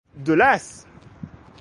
De l'as!